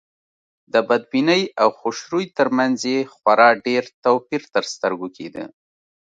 د بدبینۍ او خوشروی تر منځ یې خورا ډېر توپير تر سترګو کېده.